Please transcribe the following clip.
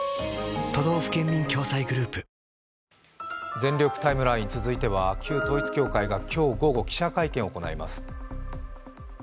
「全力ＴＩＭＥライン」続いては旧統一教会が今日午後、記者会見を行います。